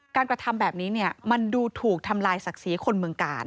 กระทำแบบนี้มันดูถูกทำลายศักดิ์ศรีคนเมืองกาล